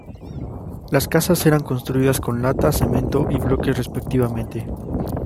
Las casas eran construidas con lata, cemento y bloques respectivamente.